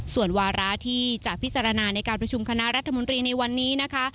ส่วนวาระที่จะพิจารณาในการประชุมคณะรัฐมนตรีในวันนี้นะคะ